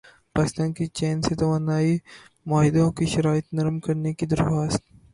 پاکستان کی چین سے توانائی معاہدوں کی شرائط نرم کرنے کی درخواست